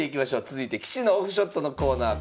続いて棋士のオフショットのコーナー